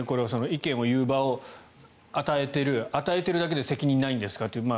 意見を言う場を与えている与えているだけで責任がないんですかと。